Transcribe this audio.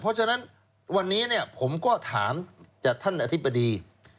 เพราะฉะนั้นวันนี้ผมก็ถามจากท่านอธิบดี